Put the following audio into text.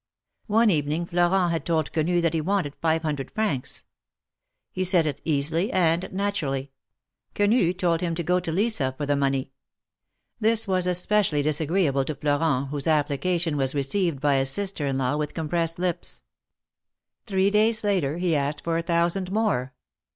One evening Florent had told Quenu that he wanted five hun dred francs. He said it easily and naturally. Quenu told 272 THE MARKETS OF PARIS. him to go to Lisa for the money. This was especially dis agreeable to Florent, whose application was received by his sister in law with compressed lips. Three days later he asked for a thousand more.